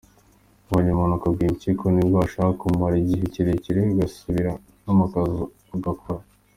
Ubonye umuntu akaguha impyiko nibwo ubasha kumara igihe kirekire ugasubira no mu kazi ugakora.